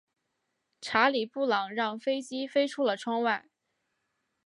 查理布朗让飞机飞出了窗外。